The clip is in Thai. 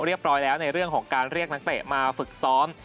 เรียบร้อยแล้วในเรื่องของการเรียกนักเตะมาฝึกซ้อม